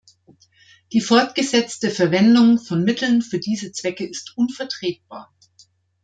Die fortgesetzte Verwendung von Mitteln für diese Zwecke ist unvertretbar.